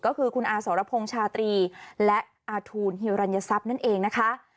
ก็คือคุณอาสรพงศ์ชาตรีและอาทูลฮิวรัญทรัพย์นั่นเองนะคะ